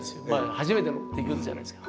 初めての出来事じゃないですか。